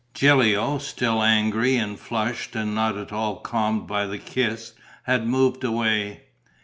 Gilio, still angry and flushed and not at all calmed by the kiss, had moved away.